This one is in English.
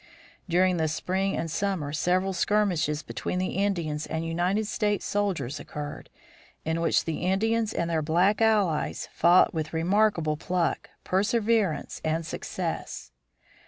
During the spring and summer several skirmishes between the Indians and United States soldiers occurred, in which the Indians and their black allies fought with remarkable pluck, perseverance, and success.